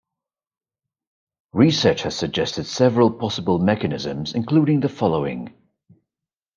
Research has suggested several possible mechanisms, including the following.